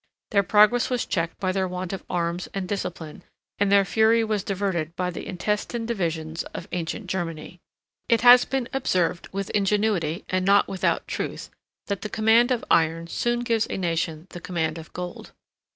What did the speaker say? Their progress was checked by their want of arms and discipline, and their fury was diverted by the intestine divisions of ancient Germany. I. It has been observed, with ingenuity, and not without truth, that the command of iron soon gives a nation the command of gold.